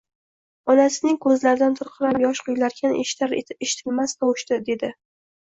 Onasining ko`zlaridan tirqirab yosh quyilarkan, eshitilar-eshitilmas tovushda dedi